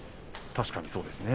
確かにそうですね。